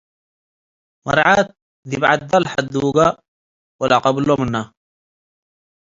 መርዓት ዲብ ዐደ ለሐዱገ ወለዐቀብሎ ምነ ።